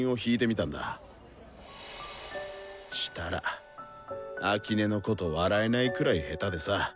したら秋音のこと笑えないくらい下手でさ。